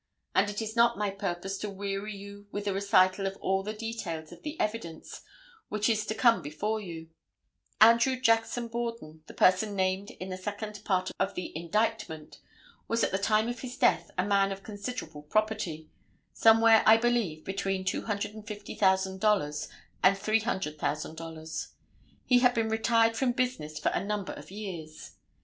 And it is not my purpose to weary you with a recital of all the details of the evidence which is to come before you. Andrew Jackson Borden, the person named in the second part of the indictment, was at the time of his death a man of considerable property—somewhere, I believe, between $250,000 and $300,000. He had been retired from business for a number of years.